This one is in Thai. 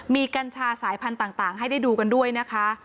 มีกัญชาสายพันธุ์ต่างให้ได้ดูกันด้วยนะคะ